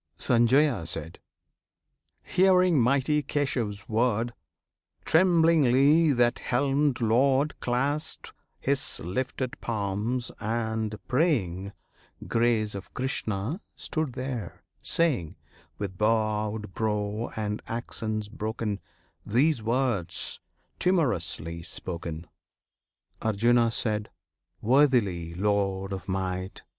Sanjaya. Hearing mighty Keshav's word, Tremblingly that helmed Lord Clasped his lifted palms, and praying Grace of Krishna stood there, saying, With bowed brow and accents broken, These words, timorously spoken: Arjuna. Worthily, Lord of Might!